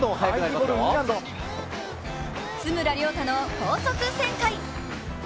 津村涼太の高速旋回。